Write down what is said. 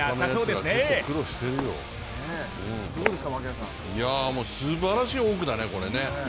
すばらしいフォークだねこれね。